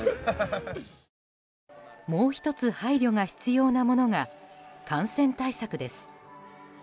もう１つ配慮が必要なものが感染対策です。